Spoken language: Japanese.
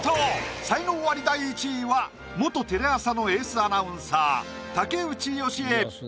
才能アリ第１位は元テレ朝のエースアナウンサー竹内由恵。